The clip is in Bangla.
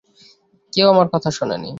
কেউ আমার কথা শোনেনি।